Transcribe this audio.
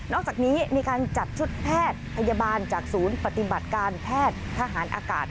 อกจากนี้มีการจัดชุดแพทย์พยาบาลจากศูนย์ปฏิบัติการแพทย์ทหารอากาศ